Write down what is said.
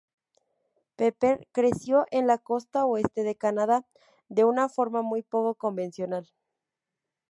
Pepper creció en la costa oeste de Canadá de una forma muy poco convencional.